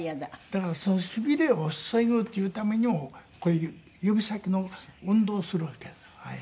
だからその痺れを防ぐっていうためにも指先の運動をするわけで。